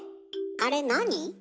あれ何？